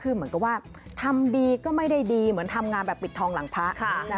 คือเหมือนกับว่าทำดีก็ไม่ได้ดีเหมือนทำงานแบบปิดทองหลังพระ